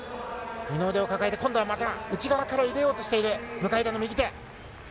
二の腕を抱えてまた内側から入れようとしている右手。